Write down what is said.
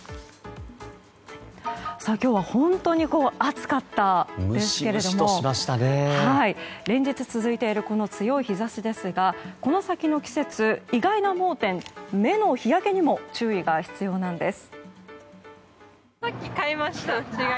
今日は本当に暑かったですけれども連日続いているこの強い日差しですがこの先の季節、意外な盲点目の日焼けにも注意が必要なんです。